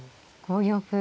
５四歩。